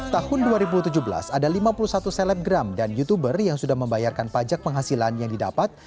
tahun dua ribu tujuh belas ada lima puluh satu selebgram dan youtuber yang sudah membayarkan pajak penghasilan yang didapat